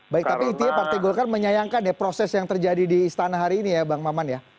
baik tapi intinya partai golkar menyayangkan ya proses yang terjadi di istana hari ini ya bang maman ya